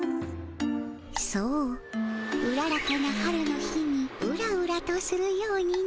そううららかな春の日にうらうらとするようにの。